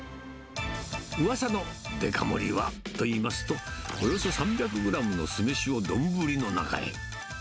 うわさのデカ盛りはといいますと、およそ３００グラムの酢飯を丼の中へ。